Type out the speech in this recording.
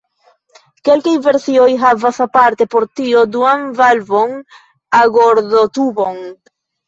Kelkaj versioj havas aparte por tio duan valvo-agordotubon.